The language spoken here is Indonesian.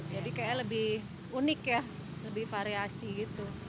jadi kayaknya lebih unik ya lebih variasi gitu